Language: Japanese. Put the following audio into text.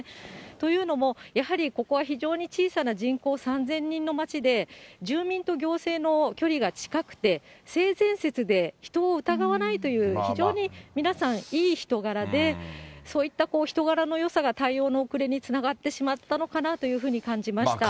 というのも、やはりここは非常に小さな人口３０００人の町で、住民と行政の距離が近くて、性善説で、人を疑わないという非常に皆さんいい人柄で、そういった人柄のよさが対応の遅れにつながってしまったのかなというふうに感じました。